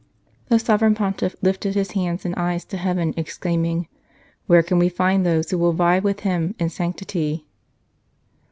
The Sovereign Pontiff lifted his hands and eyes to heaven, exclaiming :" Where can we find those who will vie with him in sanctity